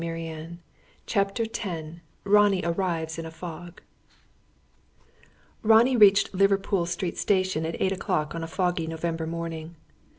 Part III CHAPTER X RONNIE ARRIVES IN A FOG Ronnie reached Liverpool Street Station at 8 o'clock on a foggy November morning.